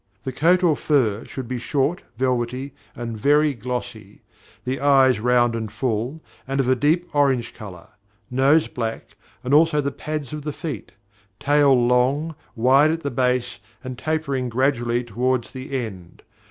The coat or fur should be short, velvety, and very glossy. The eyes round and full, and of a deep orange colour; nose black, and also the pads of the feet; tail long, wide at the base, and tapering gradually towards the end.